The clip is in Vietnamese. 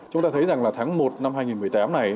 chúng ta thấy rằng là tháng một năm hai nghìn một mươi tám này